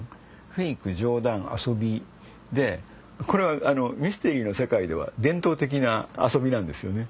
冗談遊びでこれはミステリーの世界では伝統的な遊びなんですよね。